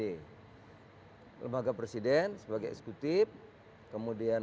hai lembaga presiden sebagai eksekutif kemudian